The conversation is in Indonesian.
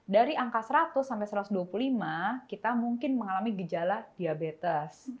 dari angka seratus sampai satu ratus dua puluh lima kita mungkin mengalami gejala diabetes